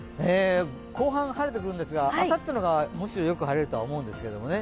後半、晴れてくるんですがあさっての方が晴れてくると思うんですね。